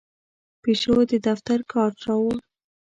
پیشو د دفتر کارت راوړ.